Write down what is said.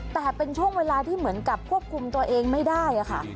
แต่เป็นช่วงเวลาที่เหมือนกับควบคุมตัวเองไม่ได้ค่ะ